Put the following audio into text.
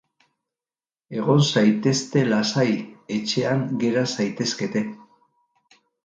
Egon zaitezte lasai, etxean gera zaitezkete.